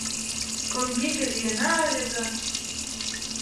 Комбиге лийына ыле гын